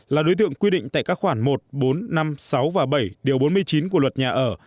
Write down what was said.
là đối tượng quy định tại các khoản một bốn năm sáu và bảy điều bốn mươi chín của luật nhà ở